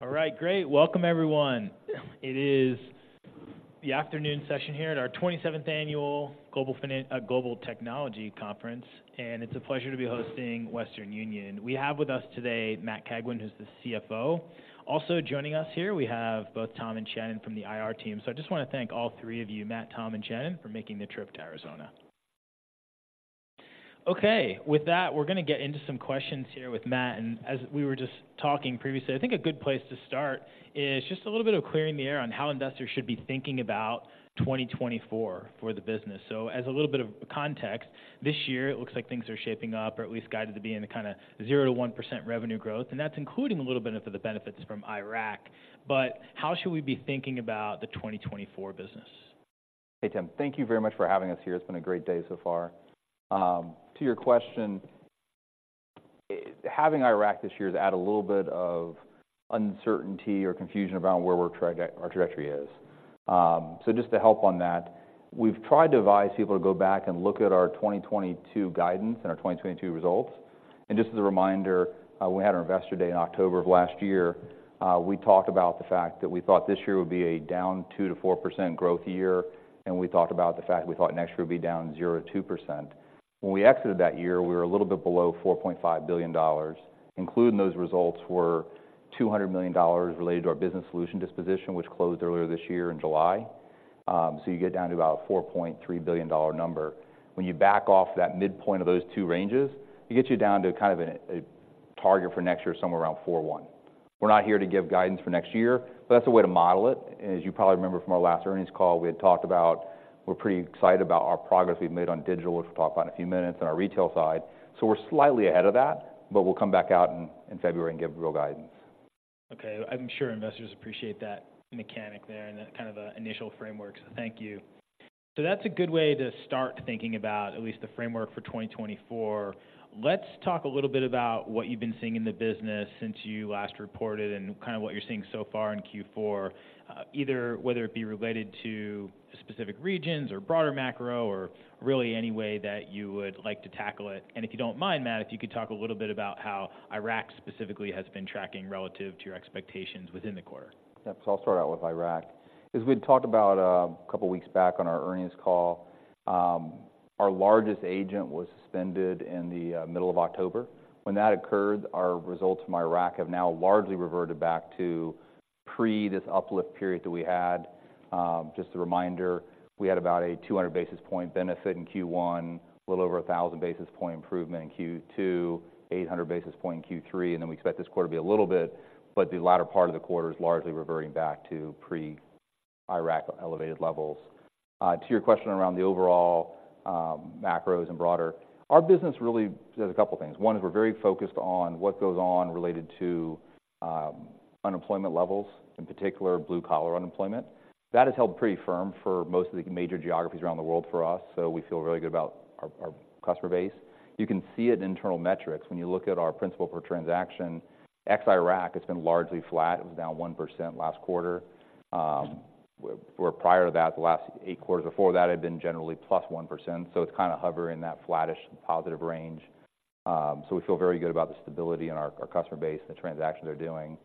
All right, great. Welcome, everyone. It is the afternoon session here at our 27th Annual Global Technology Conference, and it's a pleasure to be hosting Western Union. We have with us today Matt Cagwin, who's the CFO. Also joining us here, we have both Tom and Shannon from the IR team. So I just wanna thank all three of you, Matt, Tom, and Shannon, for making the trip to Arizona. Okay, with that, we're gonna get into some questions here with Matt. And as we were just talking previously, I think a good place to start is just a little bit of clearing the air on how investors should be thinking about 2024 for the business. So as a little bit of context, this year it looks like things are shaping up or at least guided to be in a kinda 0% to 1% revenue growth, and that's including a little bit of the benefits from Iraq. But how should we be thinking about the 2024 business? Hey, Tim. Thank you very much for having us here. It's been a great day so far. To your question, having Iraq this year has added a little bit of uncertainty or confusion around where we're trajectory is. So just to help on that, we've tried to advise people to go back and look at our 2022 guidance and our 2022 results. And just as a reminder, we had our Investor Day in October of last year. We talked about the fact that we thought this year would be a down 2% to 4% growth year, and we talked about the fact we thought next year would be down 0% to 2%. When we exited that year, we were a little bit below $4.5 billion. Including those results were $200 million related to our Business Solution disposition, which closed earlier this year in July. So you get down to about $4.3 billion number. When you back off that midpoint of those two ranges, it gets you down to kind of a target for next year, somewhere around 4/1. We're not here to give guidance for next year, but that's a way to model it. As you probably remember from our last earnings call, we had talked about we're pretty excited about our progress we've made on digital, which we'll talk about in a few minutes, on our retail side. So we're slightly ahead of that, but we'll come back out in February and give real guidance. Okay, I'm sure investors appreciate that mechanic there and that kind of initial framework. So thank you. So that's a good way to start thinking about at least the framework for 2024. Let's talk a little bit about what you've been seeing in the business since you last reported and kinda what you're seeing so far in Q4, either whether it be related to specific regions or broader macro or really any way that you would like to tackle it. And if you don't mind, Matt, if you could talk a little bit about how Iraq specifically has been tracking relative to your expectations within the quarter. Yep. So I'll start out with Iraq. As we'd talked about, a couple of weeks back on our earnings call, our largest agent was suspended in the middle of October. When that occurred, our results from Iraq have now largely reverted back to pre this uplift period that we had. Just a reminder, we had about a 200 basis point benefit in Q1, a little over a 1,000 basis point improvement in Q2, 800 basis point in Q3, and then we expect this quarter to be a little bit, but the latter part of the quarter is largely reverting back to pre-Iraq elevated levels. To your question around the overall macros and broader, our business really does a couple of things. One is we're very focused on what goes on related to unemployment levels, in particular, blue-collar unemployment. That has held pretty firm for most of the major geographies around the world for us, so we feel really good about our, our customer base. You can see it in internal metrics. When you look at our principal per transaction, ex-Iraq, it's been largely flat. It was down 1% last quarter. Where prior to that, the last eight quarters before that had been generally +1%, so it's kinda hovering in that flattish, positive range. So we feel very good about the stability in our, our customer base, the transactions they're doing.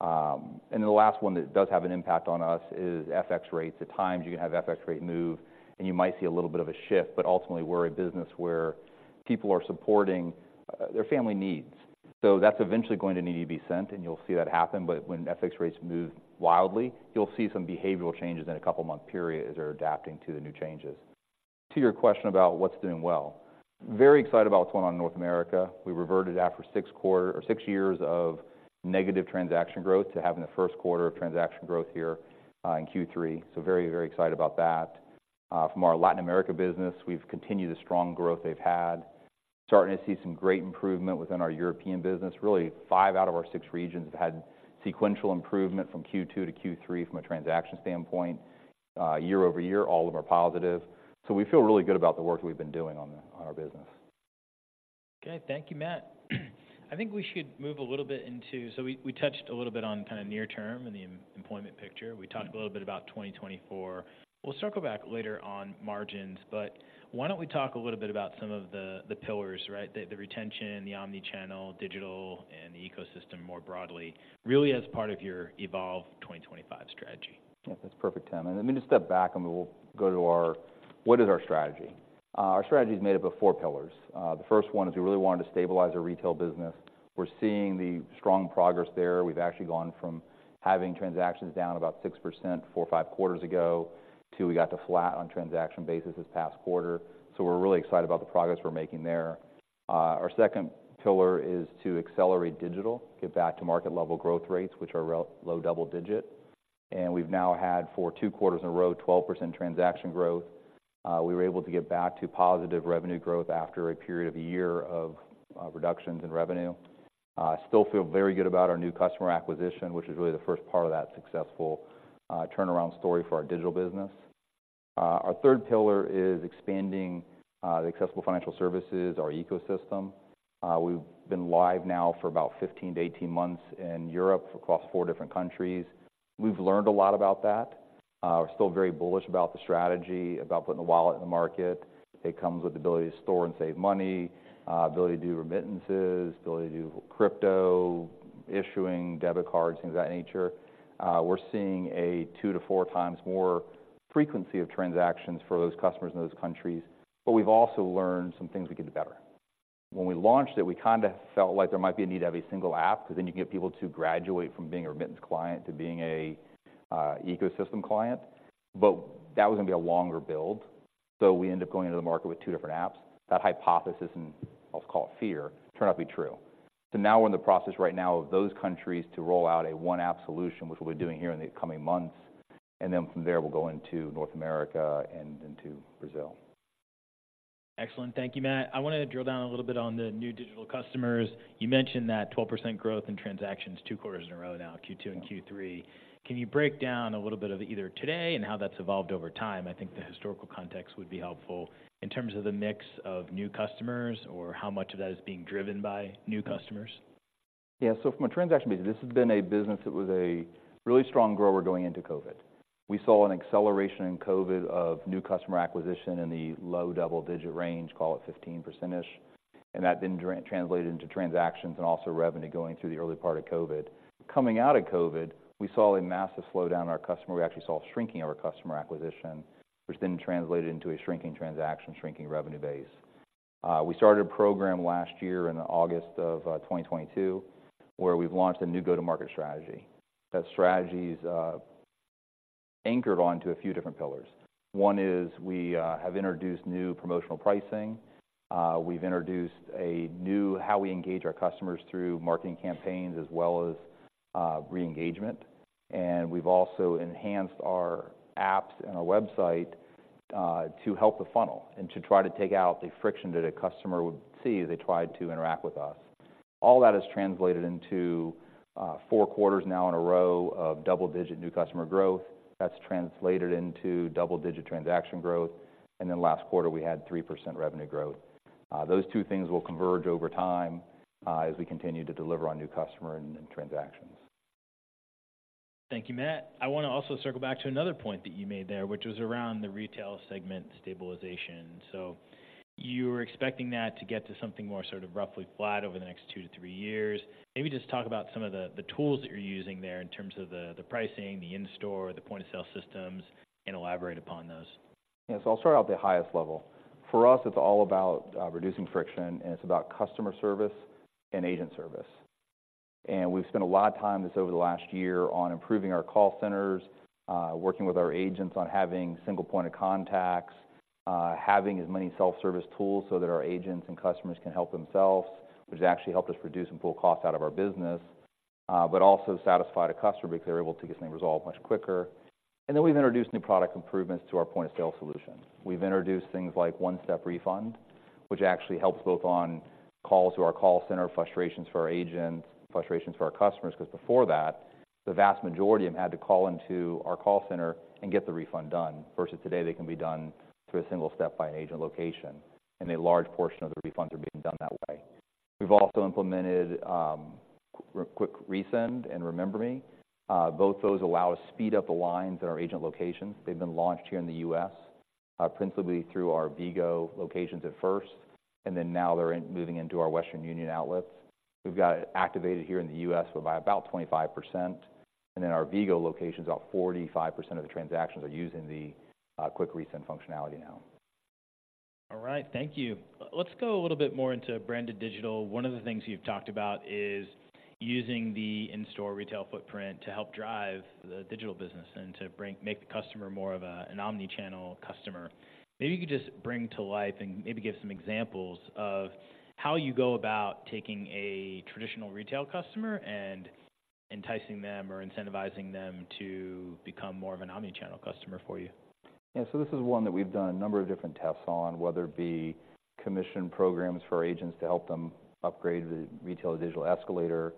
And then the last one that does have an impact on us is FX rates. At times, you can have FX rate move, and you might see a little bit of a shift, but ultimately, we're a business where people are supporting their family needs. So that's eventually going to need to be sent, and you'll see that happen. But when FX rates move wildly, you'll see some behavioral changes in a couple of month periods as they're adapting to the new changes. To your question about what's doing well, very excited about what's going on in North America. We reverted after six quarters or six years of negative transaction growth to having the first quarter of transaction growth here in Q3. So very, very excited about that. From our Latin America business, we've continued the strong growth they've had. Starting to see some great improvement within our European business. Really, five out of our six regions have had sequential improvement from Q2 to Q3 from a transaction standpoint. Year-over-year, all of them are positive. So we feel really good about the work we've been doing on our business. Okay. Thank you, Matt. I think we should move a little bit into. So we, we touched a little bit on kinda near term and the employment picture. We talked a little bit about 2024. We'll circle back later on margins, but why don't we talk a little bit about some of the, the pillars, right? The, the retention, the omni-channel, digital, and the ecosystem more broadly, really, as part of your Evolve 2025 strategy. Yeah, that's perfect, Tim, and let me just step back and we'll go to our, what is our strategy? Our strategy is made up of four pillars. The first one is we really wanted to stabilize our retail business. We're seeing the strong progress there. We've actually gone from having transactions down about 6%, four or five quarters ago, to we got to flat on transaction basis this past quarter. So we're really excited about the progress we're making there. Our second pillar is to accelerate digital, get back to market-level growth rates, which are relatively low double-digit. And we've now had, for two quarters in a row, 12% transaction growth. We were able to get back to positive revenue growth after a period of a year of reductions in revenue. Still feel very good about our new customer acquisition, which is really the first part of that successful turnaround story for our digital business. Our third pillar is expanding the accessible financial services, our ecosystem. We've been live now for about 15 to 18 months in Europe across four different countries. We've learned a lot about that. We're still very bullish about the strategy, about putting the wallet in the market. It comes with the ability to store and save money, ability to do remittances, ability to do crypto, issuing debit cards, things of that nature. We're seeing a two to four times more frequency of transactions for those customers in those countries, but we've also learned some things we can do better. When we launched it, we kinda felt like there might be a need to have a single app, because then you can get people to graduate from being a remittance client to being a ecosystem client. But that was gonna be a longer build, so we ended up going into the market with two different apps. That hypothesis and I'll call it fear, turned out to be true. So now we're in the process right now of those countries to roll out a one-app solution, which we'll be doing here in the coming months. And then from there, we'll go into North America and into Brazil. Excellent. Thank you, Matt. I wanna drill down a little bit on the new digital customers. You mentioned that 12% growth in transactions two quarters in a row now, Q2 and Q3. Can you break down a little bit of either today and how that's evolved over time? I think the historical context would be helpful in terms of the mix of new customers or how much of that is being driven by new customers. Yeah, so from a transaction basis, this has been a business that was a really strong grower going into COVID. We saw an acceleration in COVID of new customer acquisition in the low double-digit range, call it 15%-ish, and that then translated into transactions and also revenue going through the early part of COVID. Coming out of COVID, we saw a massive slowdown in our customer. We actually saw a shrinking of our customer acquisition, which then translated into a shrinking transaction, shrinking revenue base. We started a program last year in August of 2022, where we've launched a new go-to-market strategy. That strategy's anchored onto a few different pillars. One is we have introduced new promotional pricing. We've introduced a new how we engage our customers through marketing campaigns, as well as reengagement. And we've also enhanced our apps and our website, to help the funnel and to try to take out the friction that a customer would see as they tried to interact with us. All that has translated into, four quarters now in a row of double-digit new customer growth. That's translated into double-digit transaction growth, and then last quarter, we had 3% revenue growth. Those two things will converge over time, as we continue to deliver on new customer and, and transactions. Thank you, Matt. I wanna also circle back to another point that you made there, which was around the retail segment stabilization. So you were expecting that to get to something more sort of roughly flat over the next two to three years. Maybe just talk about some of the, the tools that you're using there in terms of the, the pricing, the in-store, the point-of-sale systems, and elaborate upon those. Yes, I'll start out at the highest level. For us, it's all about reducing friction, and it's about customer service and agent service. And we've spent a lot of time just over the last year on improving our call centers, working with our agents on having single point of contacts, having as many self-service tools so that our agents and customers can help themselves, which has actually helped us reduce and pull cost out of our business, but also satisfy the customer because they're able to get things resolved much quicker. And then we've introduced new product improvements to our point-of-sale solution. We've introduced things like One-Step Refund, which actually helps both on calls to our call center, frustrations for our agents, frustrations for our customers, because before that, the vast majority of them had to call into our call center and get the refund done, versus today, they can be done through a single step by an agent location, and a large portion of the refunds are being done that way. We've also implemented Quick Resend and Remember Me. Both those allow us to speed up the lines in our agent locations. They've been launched here in the U.S., principally through our Vigo locations at first, and then now they're moving into our Western Union outlets. We've got it activated here in the U.S. by about 25%, and then our Vigo locations, about 45% of the transactions are using the Quick Resend functionality now. All right, thank you. Let's go a little bit more into branded digital. One of the things you've talked about is using the in-store retail footprint to help drive the digital business and to bring make the customer more of a, an Omni-channel customer. Maybe you could just bring to life and maybe give some examples of how you go about taking a traditional retail customer and enticing them or incentivizing them to become more of an Omni-channel customer for you. Yeah, so this is one that we've done a number of different tests on, whether it be commission programs for agents to help them upgrade the retail to digital escalator.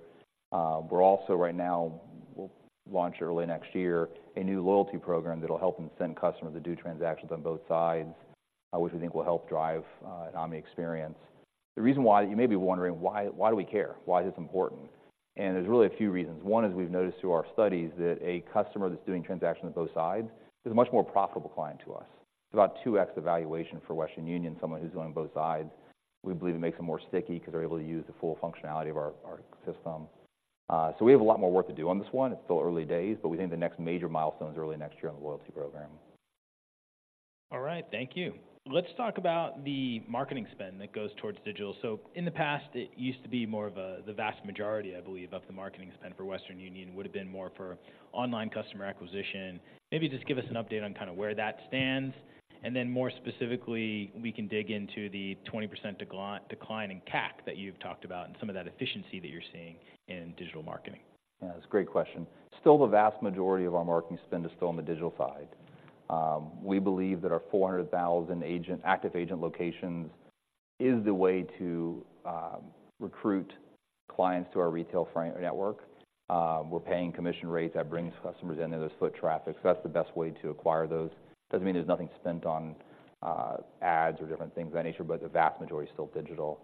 We're also right now, we'll launch early next year, a new loyalty program that'll help them send customers that do transactions on both sides, which we think will help drive an omni experience. The reason why, you may be wondering, "Why, why do we care? Why is this important?" And there's really a few reasons. One is we've noticed through our studies that a customer that's doing transactions on both sides is a much more profitable client to us. It's about 2x the valuation for Western Union, someone who's going on both sides. We believe it makes them more sticky because they're able to use the full functionality of our system. So we have a lot more work to do on this one. It's still early days, but we think the next major milestone is early next year on the loyalty program. All right, thank you. Let's talk about the marketing spend that goes towards digital. So in the past, it used to be more of a, the vast majority, I believe, of the marketing spend for Western Union would have been more for online customer acquisition. Maybe just give us an update on kind of where that stands, and then more specifically, we can dig into the 20% decline in CAC that you've talked about and some of that efficiency that you're seeing in digital marketing. Yeah, it's a great question. Still, the vast majority of our marketing spend is still on the digital side. We believe that our 400,000 agent, active agent locations is the way to recruit clients to our retail franchise network. We're paying commission rates that brings customers into those foot traffic. So that's the best way to acquire those. Doesn't mean there's nothing spent on ads or different things of that nature, but the vast majority is still digital.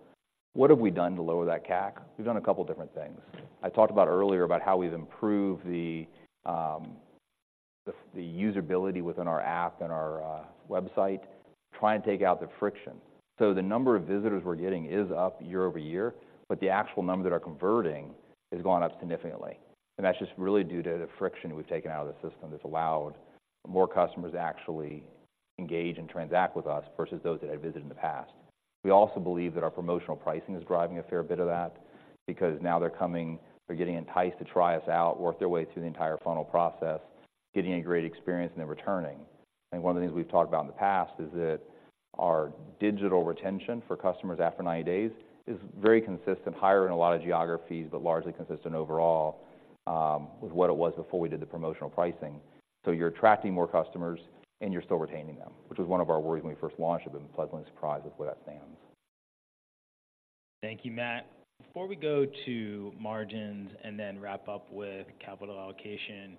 What have we done to lower that CAC? We've done a couple different things. I talked about earlier about how we've improved the usability within our app and our website, trying to take out the friction. So the number of visitors we're getting is up year-over-year, but the actual number that are converting has gone up significantly. That's just really due to the friction we've taken out of the system that's allowed more customers to actually engage and transact with us versus those that had visited in the past. We also believe that our promotional pricing is driving a fair bit of that, because now they're coming, they're getting enticed to try us out, work their way through the entire funnel process, getting a great experience, and then returning. One of the things we've talked about in the past is that our digital retention for customers after 90 days is very consistent, higher in a lot of geographies, but largely consistent overall, with what it was before we did the promotional pricing. You're attracting more customers and you're still retaining them, which was one of our worries when we first launched, but we've been pleasantly surprised with where that stands. Thank you, Matt. Before we go to margins and then wrap up with capital allocation,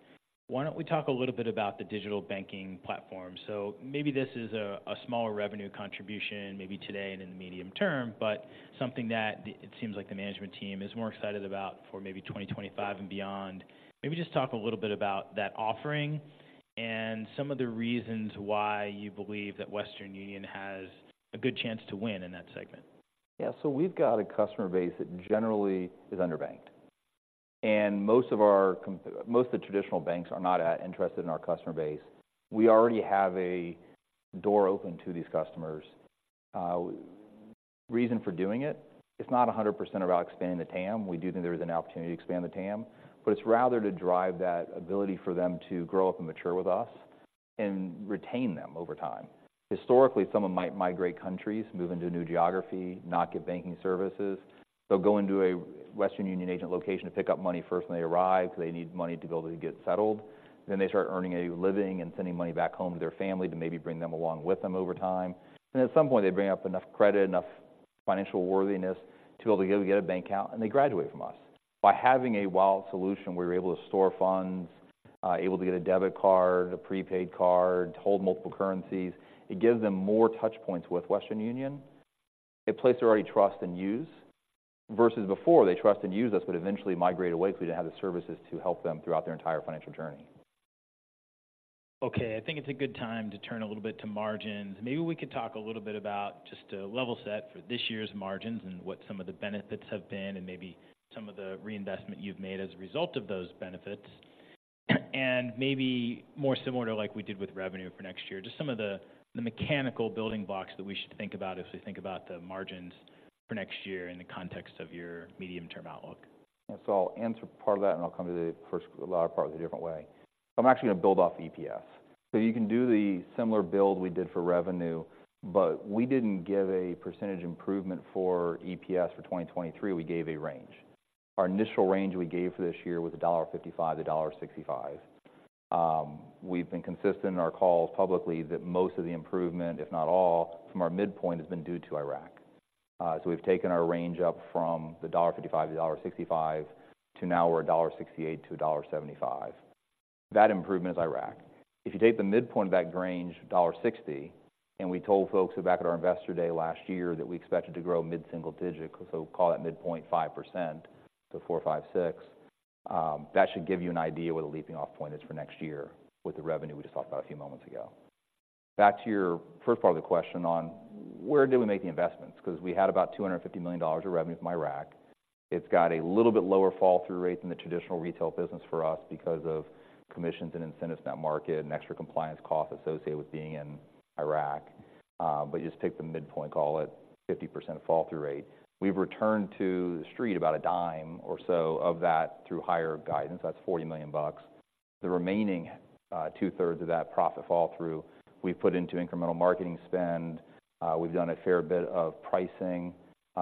why don't we talk a little bit about the digital banking platform? Maybe this is a smaller revenue contribution, maybe today and in the medium term, but something that it seems like the management team is more excited about for maybe 2025 and beyond. Maybe just talk a little bit about that offering and some of the reasons why you believe that Western Union has a good chance to win in that segment. Yeah. So we've got a customer base that generally is underbanked, and most of the traditional banks are not interested in our customer base. We already have a door open to these customers. Reason for doing it, it's not 100% about expanding the TAM. We do think there is an opportunity to expand the TAM, but it's rather to drive that ability for them to grow up and mature with us and retain them over time. Historically, some of them might migrate countries, move into a new geography, not get banking services. They'll go into a Western Union agent location to pick up money first when they arrive, because they need money to be able to get settled. Then they start earning a living and sending money back home to their family to maybe bring them along with them over time. Then, at some point, they bring up enough credit, enough financial worthiness to be able to go get a bank account, and they graduate from us. By having a wallet solution, we're able to store funds, able to get a debit card, a prepaid card, hold multiple currencies. It gives them more touch points with Western Union, a place they already trust and use, versus before, they trust and use us, but eventually migrate away because we didn't have the services to help them throughout their entire financial journey. Okay, I think it's a good time to turn a little bit to margins. Maybe we could talk a little bit about just to level set for this year's margins and what some of the benefits have been and maybe some of the reinvestment you've made as a result of those benefits. Maybe more similar to like we did with revenue for next year, just some of the mechanical building blocks that we should think about as we think about the margins for next year in the context of your medium-term outlook. Yeah. So I'll answer part of that, and I'll come to the latter part of it a different way. So I'm actually going to build off EPS. So you can do the similar build we did for revenue, but we didn't give a percentage improvement for EPS for 2023, we gave a range. Our initial range we gave for this year was $1.55 to $1.65. We've been consistent in our calls publicly that most of the improvement, if not all, from our midpoint, has been due to Iraq. So we've taken our range up from the $1.55 to $1.65, to now we're $1.68 to $1.75. That improvement is Iraq. If you take the midpoint of that range, $1.60, and we told folks back at our Investor Day last year that we expected to grow mid-single digit, so call that midpoint 5%, so 4% to 6%, that should give you an idea what a leaping off point is for next year with the revenue we just talked about a few moments ago. Back to your first part of the question on where do we make the investments? Because we had about $250 million of revenue from Iraq. It's got a little bit lower fall-through rate than the traditional retail business for us because of commissions and incentives in that market and extra compliance costs associated with being in Iraq. But just take the midpoint, call it 50% fall-through rate. We've returned to the street about a dime or so of that through higher guidance. That's $40 million. The remaining, two-thirds of that profit fall-through, we've put into incremental marketing spend. We've done a fair bit of pricing,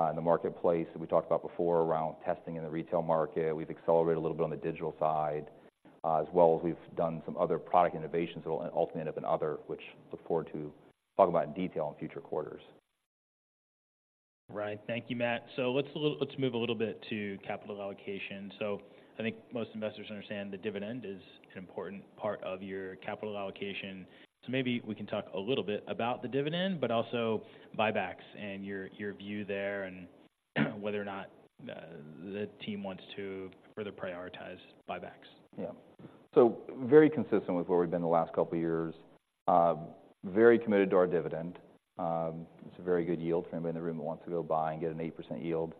in the marketplace that we talked about before, around testing in the retail market. We've accelerated a little bit on the digital side, as well as we've done some other product innovations that will ultimately end up in other, which I look forward to talking about in detail in future quarters. Right. Thank you, Matt. So let's move a little bit to capital allocation. So I think most investors understand the dividend is an important part of your capital allocation. So maybe we can talk a little bit about the dividend, but also buybacks and your view there, and whether or not the team wants to further prioritize buybacks. Yeah. So very consistent with where we've been the last couple of years. Very committed to our dividend. It's a very good yield for anybody in the room that wants to go buy and get an 8% yield.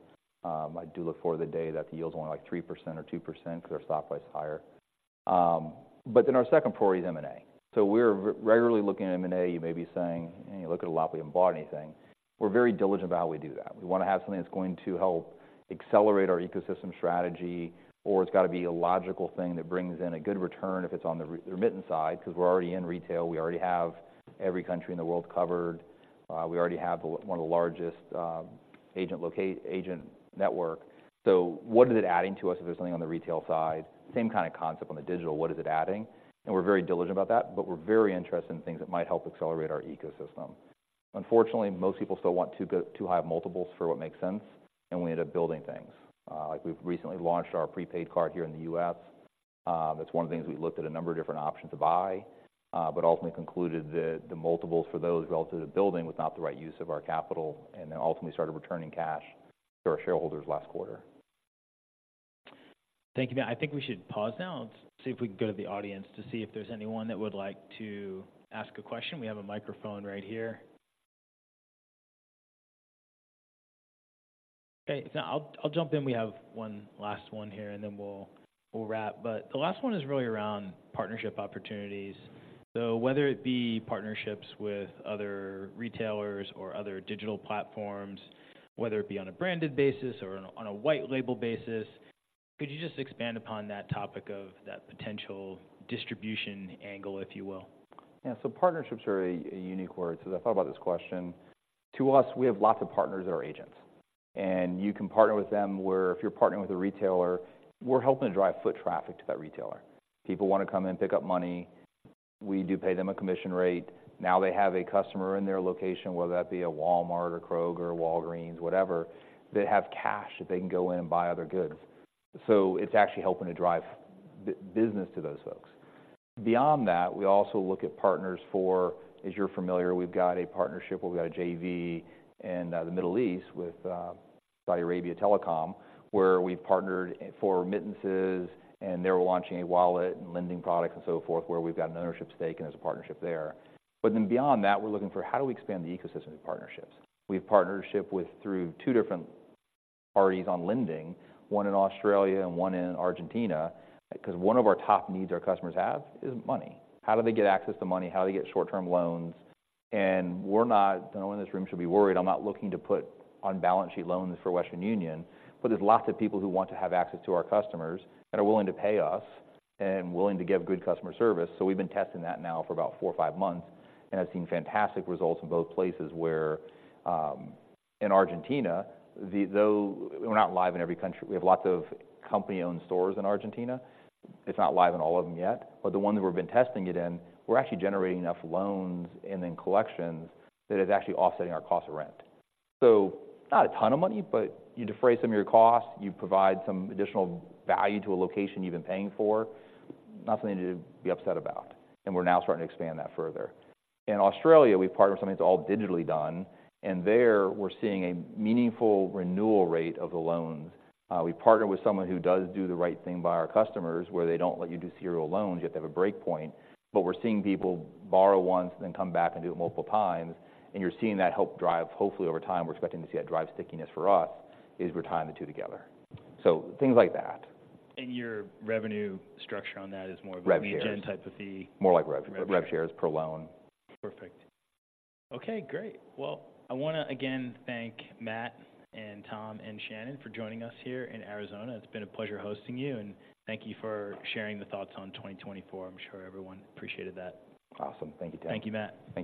I do look forward to the day that the yield's only, like, 3% or 2% because our stock price is higher. But then our second priority is M&A. So we're regularly looking at M&A. You may be saying, "When you look at a lot, we haven't bought anything." We're very diligent about how we do that. We wanna have something that's going to help accelerate our ecosystem strategy, or it's got to be a logical thing that brings in a good return if it's on the remittance side, because we're already in retail. We already have every country in the world covered. We already have one of the largest agent network. So what is it adding to us if there's something on the retail side? Same kind of concept on the digital. What is it adding? And we're very diligent about that, but we're very interested in things that might help accelerate our ecosystem. Unfortunately, most people still want too good, too high of multiples for what makes sense, and we end up building things. Like we've recently launched our prepaid card here in the U.S. That's one of the things we looked at a number of different options to buy, but ultimately concluded that the multiples for those relative to the building was not the right use of our capital, and then ultimately started returning cash to our shareholders last quarter. Thank you. Matt, I think we should pause now and see if we can go to the audience to see if there's anyone that would like to ask a question. We have a microphone right here. Okay, so I'll jump in. We have one last one here, and then we'll wrap. But the last one is really around partnership opportunities. So whether it be partnerships with other retailers or other digital platforms, whether it be on a branded basis or on a white label basis, could you just expand upon that topic of that potential distribution angle, if you will? Yeah. So partnerships are a unique word. So I thought about this question. To us, we have lots of partners that are agents, and you can partner with them where if you're partnering with a retailer, we're helping to drive foot traffic to that retailer. People wanna come in and pick up money. We do pay them a commission rate. Now they have a customer in their location, whether that be a Walmart, a Kroger, a Walgreens, whatever, they have cash that they can go in and buy other goods. So it's actually helping to drive business to those folks. Beyond that, we also look at partners for. As you're familiar, we've got a partnership where we've got a JV in the Middle East with Saudi Telecom Company, where we've partnered for remittances, and they're launching a wallet and lending product and so forth, where we've got an ownership stake, and there's a partnership there. But then beyond that, we're looking for how do we expand the ecosystem of partnerships? We have partnership with through two different parties on lending, one in Australia and one in Argentina, because one of our top needs our customers have is money. How do they get access to money? How do they get short-term loans? And we're not, no one in this room should be worried. I'm not looking to put on balance sheet loans for Western Union, but there's lots of people who want to have access to our customers and are willing to pay us and willing to give good customer service. So we've been testing that now for about four or five months and have seen fantastic results in both places, where in Argentina, though we're not live in every country, we have lots of company-owned stores in Argentina. It's not live in all of them yet, but the ones that we've been testing it in, we're actually generating enough loans and then collections that it's actually offsetting our cost of rent. So not a ton of money, but you defray some of your costs, you provide some additional value to a location you've been paying for. Nothing to be upset about, and we're now starting to expand that further. In Australia, we've partnered with something that's all digitally done, and there we're seeing a meaningful renewal rate of the loans. We partner with someone who does do the right thing by our customers, where they don't let you do serial loans, you have to have a break point. But we're seeing people borrow once, then come back and do it multiple times, and you're seeing that help drive hopefully over time, we're expecting to see that drive stickiness for us, is we're tying the two together. So things like that. And your revenue structure on that is more of a lead gen type of fee? More like rev, rev shares per loan. Perfect. Okay, great. Well, I wanna, again, thank Matt and Tom and Shannon for joining us here in Arizona. It's been a pleasure hosting you, and thank you for sharing the thoughts on 2024. I'm sure everyone appreciated that. Awesome. Thank you, Tim. Thank you, Matt. Thank you.